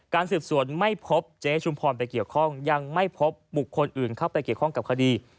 สืบสวนไม่พบเจ๊ชุมพรไปเกี่ยวข้องยังไม่พบบุคคลอื่นเข้าไปเกี่ยวข้องกับคดี